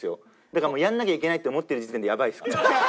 だからやらなきゃいけないって思ってる時点でやばいですから。